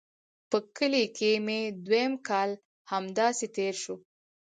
په کلي کښې مې دويم کال هم همداسې تېر سو.